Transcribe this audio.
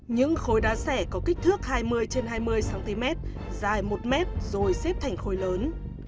những khối đá xẻ có kích thước hai mươi trên hai mươi cm dài một m rồi xếp thành khối lớn